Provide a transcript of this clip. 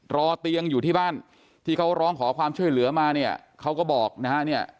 รอเตียงอยู่ที่บ้านที่เขาร้องขอความช่วยเหลือมาเนี่ยเขาก็บอกนะฮะเนี่ย